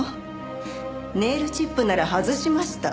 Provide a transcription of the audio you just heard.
ネイルチップなら外しました。